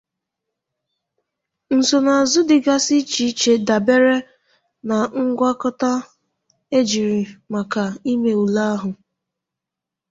Nsonaazụ dịgasị iche iche dabere na ngwakọta ejiri maka ime ule ahụ.